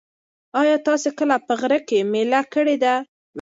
ایا تاسي کله په غره کې مېله کړې ده؟